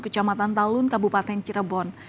kecamatan talun kabupaten cirebon